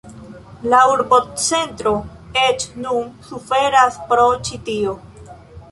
La urbocentro eĉ nun suferas pro ĉi tio.